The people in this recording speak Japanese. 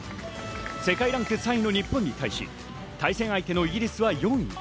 世界ランク３位の日本に対し、対戦相手のイギリスは４位。